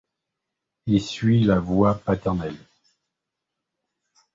Il suit la voie paternelle.